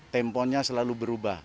temponya selalu berubah